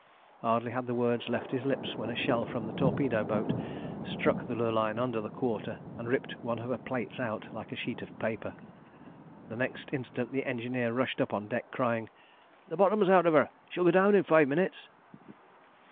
Hardly had the words left his lips when a shell from the torpedo boat struck the Lurline under the quarter, and ripped one of her plates out like a sheet of paper. The next instant the engineer rushed up on deck, crying "The bottom's out of her! She'll go down in five minutes!"